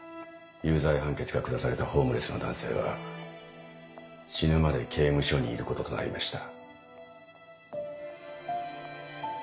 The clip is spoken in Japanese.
有罪判決が下されたホームレスの男性は死ぬまで刑務所にいることとなりました。